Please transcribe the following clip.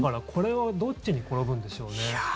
これはどっちに転ぶんでしょうね？